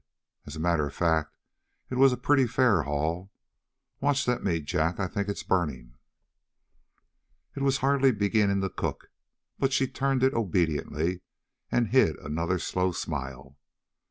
"As a matter of fact, it was a pretty fair haul. Watch that meat, Jack; I think it's burning." It was hardly beginning to cook, but she turned it obediently and hid another slow smile.